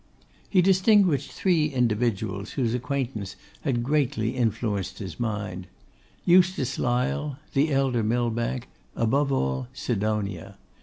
He distinguished three individuals whose acquaintance had greatly influenced his mind; Eustace Lyle, the elder Millbank, above all, Sidonia.